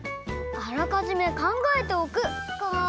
「あらかじめ考えておく」か。